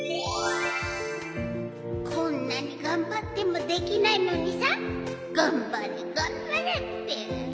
こんなにがんばってもできないのにさがんばれがんばれって。